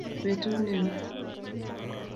Betut ne oo